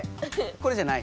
これじゃない？